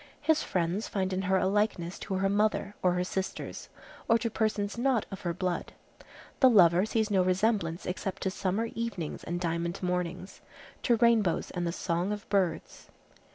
His friends find in her a likeness to her mother, or her sisters, or to persons not of her blood. The lover sees no resemblance except to summer evenings and diamond mornings, to rainbows and the song of birds.